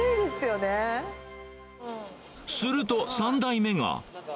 すると、３代目が。